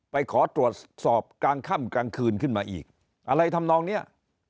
ไปขอตรวจสอบกลางค่ำกลางคืนขึ้นมาอีกอะไรทำนองเนี้ย